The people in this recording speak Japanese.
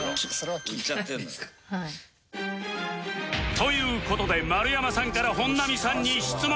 という事で丸山さんから本並さんに質問